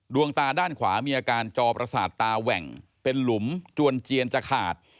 ดวงตาด้านขวามีอาการจอประสาทตาแหว่งเป็นหลุมจวนเจียนจะขาด